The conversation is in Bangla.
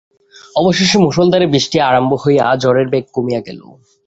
অবশেষে মুষলধারে বৃষ্টি আরক্ত হইয়া ঝড়ের বেগ কমিয়া গেল।